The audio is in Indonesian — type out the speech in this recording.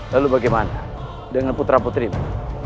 lalu bagaimana dengan putra putrinya